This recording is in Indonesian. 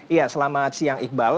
iya selamat siang iqbal